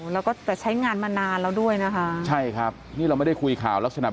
แล้วก็แต่ใช้งานมานานแล้วด้วยนะคะใช่ครับนี่เราไม่ได้คุยข่าวลักษณะ